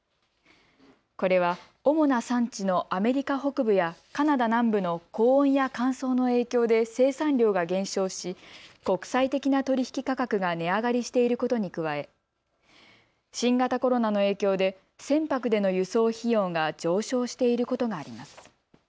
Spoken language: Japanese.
これは主な産地のアメリカ北部やカナダ南部の高温や乾燥の影響で生産量が減少し国際的な取引価格が値上がりしていることに加え新型コロナの影響で船舶での輸送費用が上昇していることがあります。